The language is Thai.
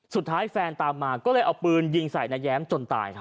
แฟนตามมาก็เลยเอาปืนยิงใส่นายแย้มจนตายครับ